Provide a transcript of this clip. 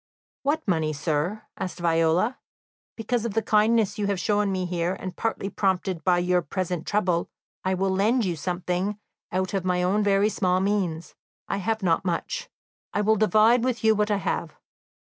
"What money, sir?" asked Viola. "Because of the kindness you have shown me here, and partly prompted by your present trouble, I will lend you something out of my own very small means; I have not much. I will divide with you what I have.